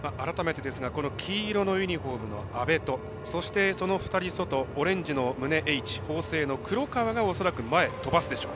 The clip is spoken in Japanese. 黄色いユニフォームの安部とそしてその２人、外オレンジの胸のＨ法政の黒川、飛ばすでしょう。